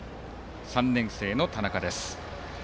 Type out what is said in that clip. ３年生の田中です。